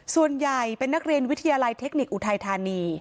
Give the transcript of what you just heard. ส่วนใหญ่เป็นนักเรียนวิทยาลัยเทคนิคอุทัยธานี